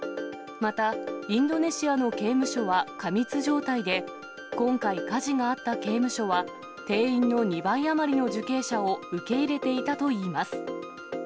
またインドネシアの刑務所は過密状態で、今回、火事があった刑務所は、定員の２倍余りの受刑者を受け入れていたといいます。